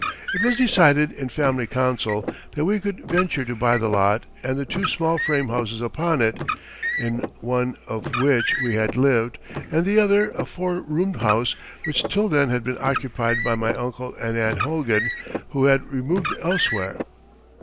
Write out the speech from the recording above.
It was decided in family council that we could venture to buy the lot and the two small frame houses upon it, in one of which we had lived, and the other, a four roomed house, which till then had been occupied by my Uncle and Aunt Hogan, who had removed elsewhere.